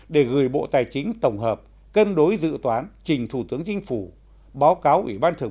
để gửi bộ tài chính tổng hợp cân đối dự toán trình thủ tướng chính phủ báo cáo ủy ban thượng